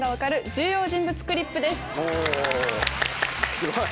すごい！